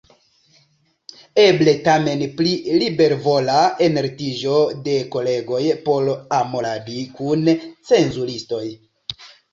Eble tamen pri libervola enlitiĝo de kolegoj por amoradi kun cenzuristoj.